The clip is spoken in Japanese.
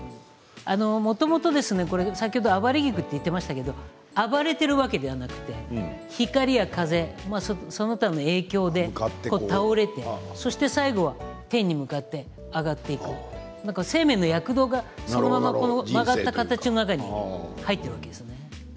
もともと暴れ菊といっていましたが暴れているわけではなくて光や風、その他の影響で倒れて最後は天に向かって上がっていく生命の躍動がそのままの形の中に入っているわけですね。